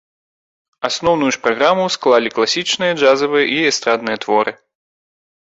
Асноўную ж праграму склалі класічныя джазавыя і эстрадныя творы.